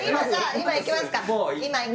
今行きますから！